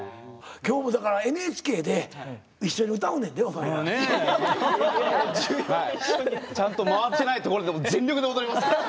今日もだからＮＨＫで一緒に歌うねんでお前ら。ちゃんと回ってないところでも全力で踊りますから！